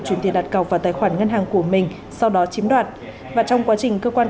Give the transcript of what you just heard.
chuyển tiền đặt cọc vào tài khoản ngân hàng của mình sau đó chiếm đoạt và trong quá trình cơ quan